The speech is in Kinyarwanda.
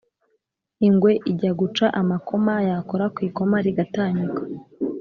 ingwe ijya guca amakoma, yakora ku ikoma rigatanyuka,